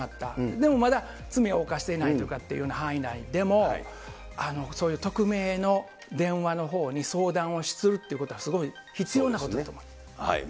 でもまだ罪は犯していないというような範囲内でも、そういう匿名の電話のほうに相談をするということは、すごい必要なことだと思います。